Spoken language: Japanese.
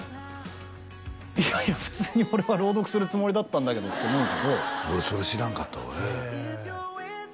いやいや普通に俺は朗読するつもりだったんだけどって思うけど俺それ知らんかったわへえて